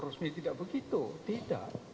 resmi tidak begitu tidak